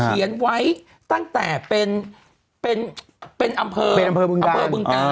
เขียนไว้ตั้งแต่เป็นอำเภอเบื้องกาล